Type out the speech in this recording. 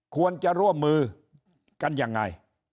ควรจะร่วมมือกันยังไง